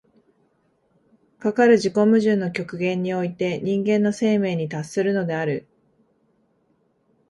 かかる自己矛盾の極限において人間の生命に達するのである。